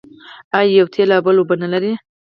آیا یوه تېل او بل اوبه نلري؟